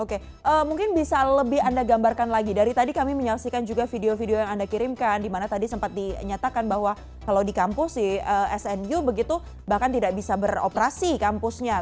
oke mungkin bisa lebih anda gambarkan lagi dari tadi kami menyaksikan juga video video yang anda kirimkan di mana tadi sempat dinyatakan bahwa kalau di kampus di snu begitu bahkan tidak bisa beroperasi kampusnya